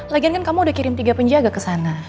lagian kan kamu udah kirim tiga penjaga kesana